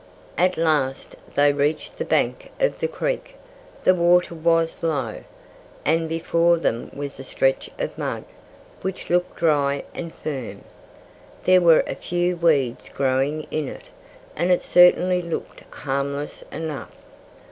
At last they reached the bank of the creek. The water was low. And before them was a stretch of mud, which looked dry and firm. There were a few weeds growing in it. And it certainly looked harmless enough.